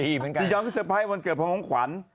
อียอนก็เซอร์ไพรส์วันเกิดของของขวัญ